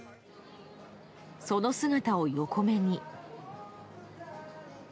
その姿を横目に。